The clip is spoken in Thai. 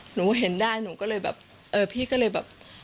หนูเห็นได้หนูก็เลยแบบเออพี่ก็เลยแบบ